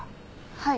はい。